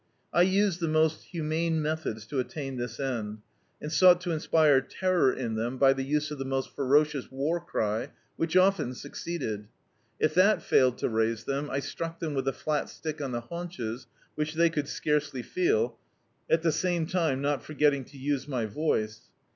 I used the most humane methods to attain this end, and sou^t to inspire terror in them D,i.,.db, Google The Autobiography of a Super Tramp by the use of the most ferocious war cry, which often succeeded. If that failed to raise them, I struck them with a flat stick on the haunches, which they could scarcely feel, at the same time not forgetting to use my voice.